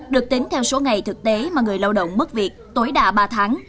được tính theo số ngày thực tế mà người lao động mất việc tối đa ba tháng